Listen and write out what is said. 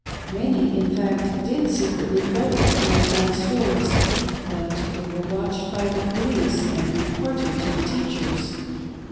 Many, in fact, did secretly go to Gentile stores, but they were watched by the police and reported to the teachers.